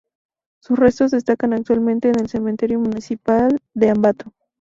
Sus restos descansan actualmente en el Cementerio Municipal de Ambato.